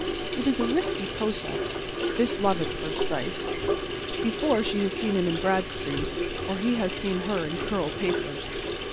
It is a risky process, this love at first sight, before she has seen him in Bradstreet or he has seen her in curl papers.